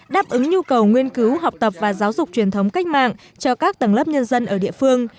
đáp ứng nhu cầu nguyên cứu học tập và giáo dục truyền thống cách mạng cho các tầng lớp nhân dân ở địa phương